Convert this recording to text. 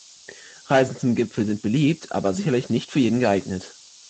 Reisen zum Gipfel sind beliebt, aber sicherlich nicht für jeden geeignet.